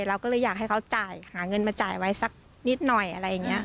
เราก็เลยอยากให้เขาจ่ายหาเงินมาจ่ายไว้สักนิดหน่อยอะไรอย่างนี้